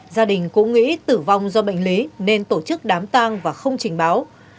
gia đình cũng nghĩ tử vong do bệnh lý nên tổ chức đám tang và không trình báo